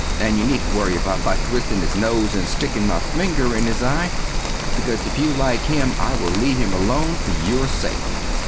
And you needent worry about my twistin his nose and stikin my finger in his eye, because if you like him I will leave him alone fer your sake.